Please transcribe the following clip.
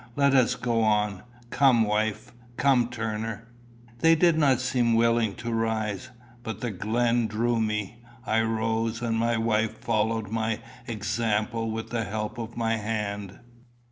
Let us go on. Come, wife. Come, Turner." They did not seem willing to rise. But the glen drew me. I rose, and my wife followed my example with the help of my hand.